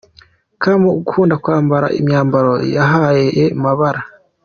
com : Ukunda kwambara imyambaro y’ayahe mabara ?.